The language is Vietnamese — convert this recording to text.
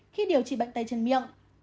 khi điều trị bệnh tay chân miệng